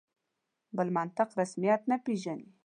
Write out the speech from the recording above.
بل منطق رسمیت نه پېژني.